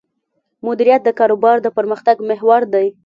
مدیریت د کاروبار د پرمختګ محور دی.